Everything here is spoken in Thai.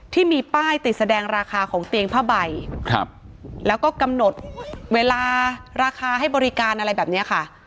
ที่มีป้ายติดแสดงราคาของเตียงผ้าใบแล้วก็กำหนดเวลาราคาให้บริการอะไรแบบนี้ค่ะ